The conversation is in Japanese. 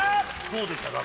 どうでしたか？